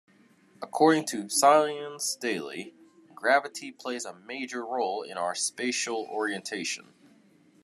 According to "Science Daily", "Gravity plays a major role in our spatial orientation.